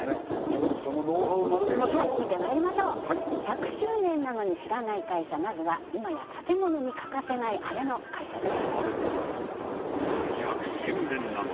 ちょっとそのノウハウ学びましょうはい見てまいりましょう１００周年なのに知らない会社まずは今や建物に欠かせないアレの会社です